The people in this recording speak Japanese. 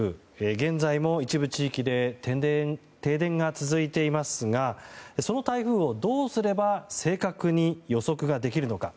現在も一部地域で停電が続いていますがその台風をどうすれば正確に予測ができるのか。